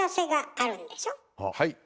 はい。